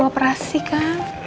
lalu operasi kan